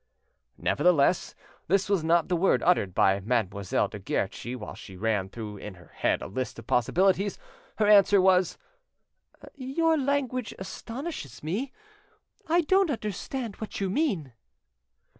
Nevertheless, this was not the word uttered by Mademoiselle de Guerchi while she ran through in her head a list of possibilities. Her answer was— "Your language astonishes me; I don't understand what you mean."